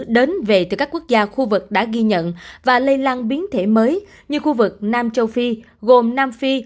đến về từ các quốc gia khu vực đã ghi nhận và lây lan biến thể mới như khu vực nam châu phi gồm nam phi